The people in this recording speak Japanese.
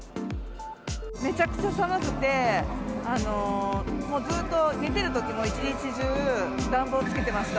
めちゃくちゃ寒くて、もうずっと寝てるときも、一日中、暖房つけてました。